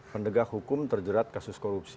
pendegah hukum terjerat kasus korupsi